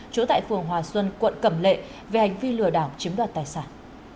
chủ tại phường hòa xuân quận cẩm lệ về hành vi lừa đảo chiếm đoạt tài sản